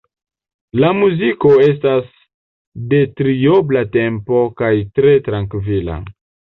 La muziko estas de triobla tempo kaj tre trankvila.